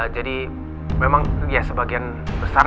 jadi memang ya sebagian besar